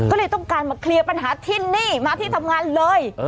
ก็เลยต้องการมาเคลียร์ปัญหาที่นี่มาที่ทำงานเลย